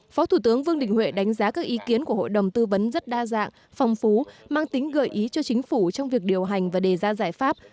phó thủ tướng vương đình huệ đánh giá các ý kiến của hội đồng tư vấn rất đa dạng phong phú mang tính gợi ý cho chính phủ trong việc điều hành và đề ra giải pháp